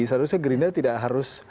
seharusnya greenland tidak harus